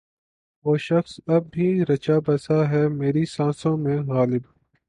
وہ شخص اب بھی رچا بسا ہے میری سانسوں میں غالب